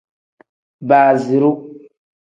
Baaziru.